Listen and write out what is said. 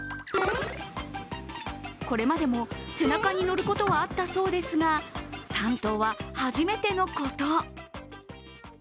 これまでも背中に乗ることはあったそうですが３頭は初めてのこと。